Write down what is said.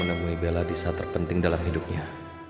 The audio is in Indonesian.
aku berhubung sama bella di saat terpenting dalam hidupnya